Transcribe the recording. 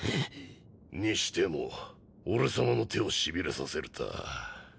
にしても俺さまの手をしびれさせるたぁ。